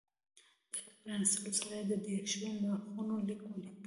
د لیک پرانستلو سره یې د دېرشو مخونو لیک ولید.